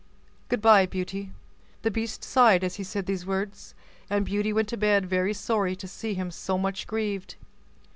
Good by, Beauty!" The beast sighed as he said these words, and Beauty went to bed very sorry to see him so much grieved.